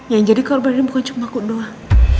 yang jadi korban ini bukan cuma ku doang